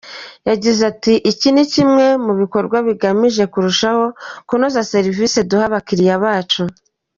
Yagize ati ”Iki ni kimwe mu bikorwa bigamije kurushaho kunoza serivisi duha abakiliya bacu.